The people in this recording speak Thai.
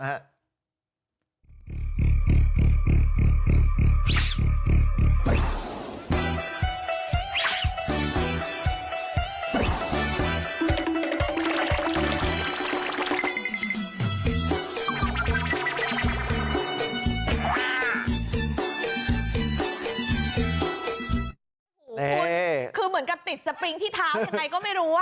โอ้โหคุณคือเหมือนกับติดสปริงที่เท้ายังไงก็ไม่รู้